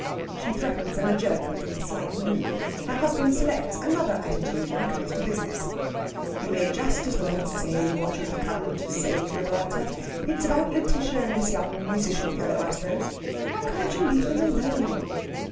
She threatens an adjournment with a slight move. Her husband selects another attitude, and comes to business. "You may just as well say what you have come to say, Roberta. It's about Lætitia and this young musician fellow, I suppose. Why can't you leave them alone?"